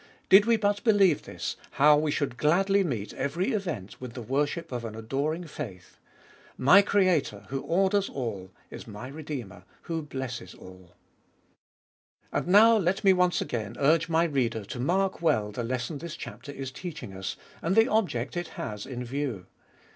Did we but believe this, how we should gladly meet every event with the worship of an adoring faith. My Creator, who orders all, is my Redeemer, who blesses all. And now let me once again urge my reader to mark well the lesson this chapter is teaching us and the object it has in view.